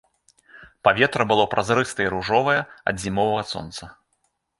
Паветра было празрыстае і ружовае ад зімовага сонца.